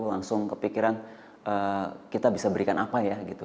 langsung kepikiran kita bisa berikan apa ya gitu